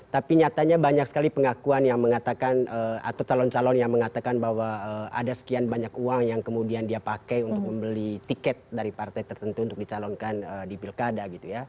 tapi nyatanya banyak sekali pengakuan yang mengatakan atau calon calon yang mengatakan bahwa ada sekian banyak uang yang kemudian dia pakai untuk membeli tiket dari partai tertentu untuk dicalonkan di pilkada gitu ya